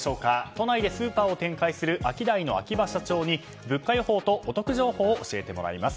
都内でスーパーを展開するアキダイの秋葉社長に物価予想とお得情報を教えてもらいます。